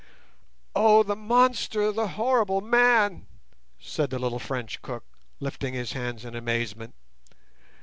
"Oh, the monster, the horrible man!" said the little French cook, lifting his hands in amazement.